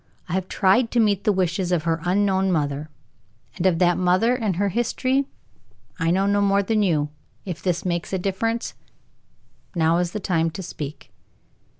I have tried to meet the wishes of her unknown mother. And of that mother and her history I know no more than you. If this makes a difference, now is the time to speak."